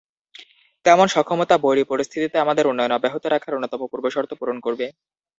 তেমন সক্ষমতা বৈরী পরিস্থিতিতে আমাদের উন্নয়ন অব্যাহত রাখার অন্যতম পূর্বশর্ত পূরণ করবে।